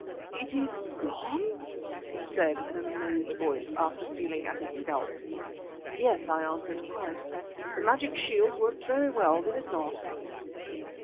"It is gone," he said in an amazed voice after feeling at his scalp. "Yes," I answered, "quite. The magic shield worked very well, did it not?"